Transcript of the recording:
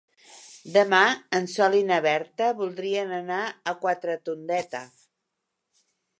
Demà en Sol i na Berta voldrien anar a Quatretondeta.